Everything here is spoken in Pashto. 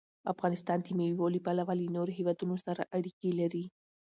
افغانستان د مېوو له پلوه له نورو هېوادونو سره اړیکې لري.